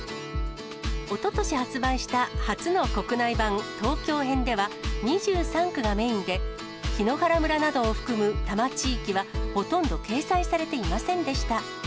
おととし発売した初の国内版、東京編では、２３区がメインで、檜原村などを含む多摩地域は、ほとんど掲載されていませんでした。